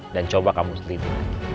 dan coba kamu sendiri